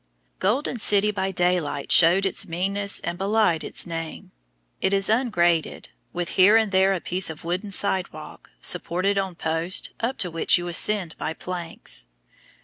Golden City by daylight showed its meanness and belied its name. It is ungraded, with here and there a piece of wooden sidewalk, supported on posts, up to which you ascend by planks.